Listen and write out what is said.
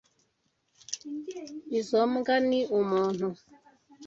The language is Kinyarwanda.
Izoi mbwa ni umuntu.